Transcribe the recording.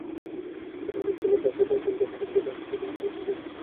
ওপরে অনেকগুলো বাসা, তাদের কারও বিড়াল হবে হয়তো, যদিও ওকে আগে দেখিনি।